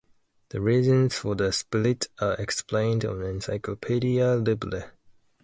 The reasons for the split are explained on Enciclopedia Libre.